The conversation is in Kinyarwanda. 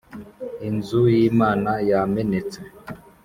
inzu y'imana yamenetse,